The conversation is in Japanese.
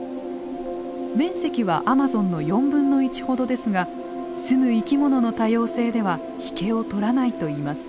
面積はアマゾンの４分の１ほどですが住む生き物の多様性では引けを取らないといいます。